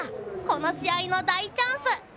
この試合の大チャンス。